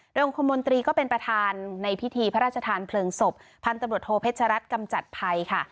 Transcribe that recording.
โดยองค์คมนตรีก็เป็นประธานในพิธีพระราชทานเพลิงศพพันธุ์ตำรวจโทเพชรัตนกำจัดภัยค่ะ